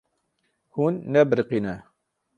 Hûn nebiriqîne.